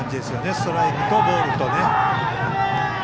ストライクとボールと。